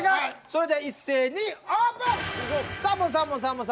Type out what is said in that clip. それでは一斉にオープン。